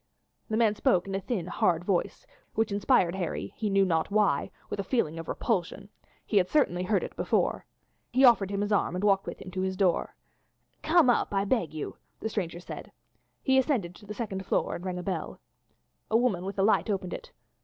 The man spoke in a thin hard voice, which inspired Harry, he knew not why, with a feeling of repulsion; he had certainly heard it before. He offered him his arm and walked with him to his door. "Come up, I beg you," the stranger said. He ascended to the second floor and rang at the bell. A woman with a light opened it.